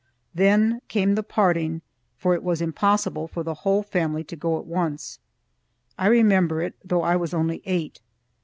Then came the parting; for it was impossible for the whole family to go at once. I remember it, though I was only eight.